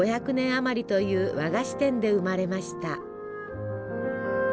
５００年余りという和菓子店で生まれました。